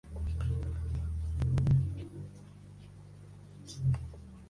La montaña forma parte de la cordillera del Pindo.